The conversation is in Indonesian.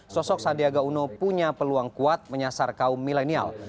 sosok sandiaga uno punya peluang kuat menyasar kaum milenial